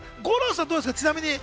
五郎さんはどうですか？